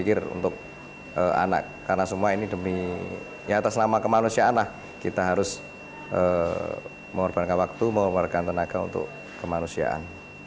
jadi saya pikir untuk anak karena semua ini demi ya atas nama kemanusiaan lah kita harus mewarbankan waktu mewarbankan tenaga untuk kemanusiaan